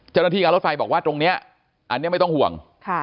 เจ้าหน้าที่การรถไฟบอกว่าตรงนี้อันนี้ไม่ต้องห่วง